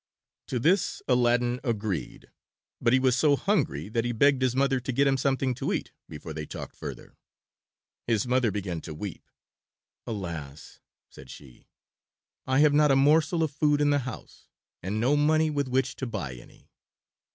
To this Aladdin agreed, but he was so hungry that he begged his mother to get him something to eat before they talked further. His mother began to weep. "Alas!" said she, "I have not a morsel of food in the house, and no money with which to buy any."